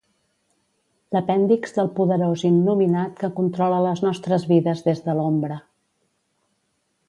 L'apèndix del poderós innominat que controla les nostres vides des de l'ombra.